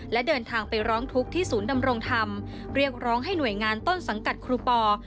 และเดินทางไปร้องทุกข์ที่ศูนย์ดำรงธรรมเรียกร้องให้หน่วยงานต้นสังกัดครูปอ